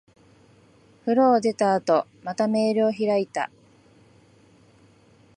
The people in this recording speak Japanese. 風呂を出た後、またメールを開いた。